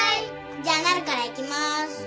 じゃあなるからいきます。